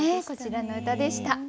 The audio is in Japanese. こちらの歌でした。